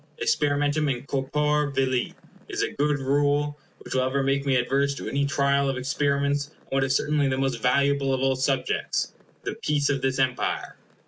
Experimentum in corpore vili is a good rule, which will ever make me adverse to any trial of experiments on what is certainly the most valuable of all subjects, the peace of this Empire.